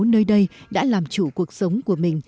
nơi đây đã làm chủ cuộc sống của mình